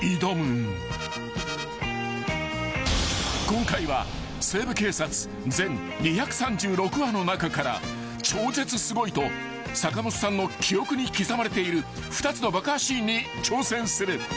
［今回は『西部警察』全２３６話の中から超絶すごいと坂本さんの記憶に刻まれている２つの爆破シーンに挑戦する］